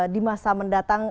di masa mendatang